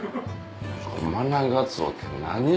マナガツオって何？